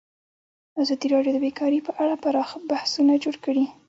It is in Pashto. ازادي راډیو د بیکاري په اړه پراخ بحثونه جوړ کړي.